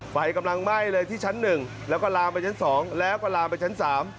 ไฟกำลังไหม้เลยที่ชั้นหนึ่งแล้วก็ลามไปชั้นสองแล้วก็ลามไปชั้นสาม